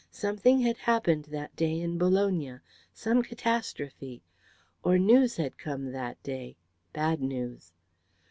Something had happened that day in Bologna, some catastrophe. Or news had come that day, bad news.